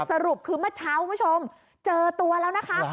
สรุปคือเมื่อเช้าคุณผู้ชมเจอตัวแล้วนะคะ